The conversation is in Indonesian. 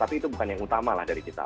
tapi itu bukan yang utama lah dari kita